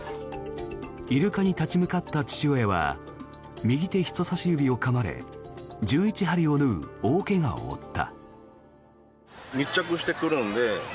イルカに立ち向かった父親は右手人さし指をかまれ１１針を縫う大怪我を負った。